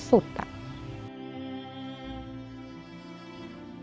มันสุดสุดในชีวิตของเราอ่ะมันสุดสุด